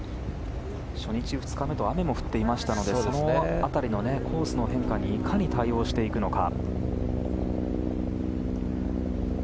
初日、２日目と雨が降っていましたのでその辺りのコースの変化にいかに対応していくのか。